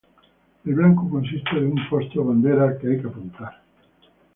El blanco consiste de un poste o bandera al que hay que apuntar.